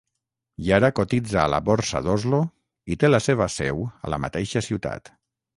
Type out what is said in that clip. Yara cotitza a la Borsa d'Oslo i té la seva seu a la mateixa ciutat.